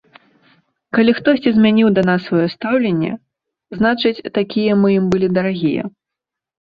Калі хтосьці змяніў да нас сваё стаўленне, значыць, такія мы ім былі дарагія.